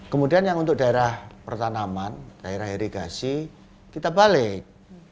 kemudian yang untuk daerah pertanaman daerah irigasi kita balik